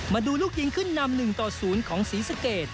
มาดูลูกหญิงขึ้นนำ๑ต่อ๐ของศรีสเกต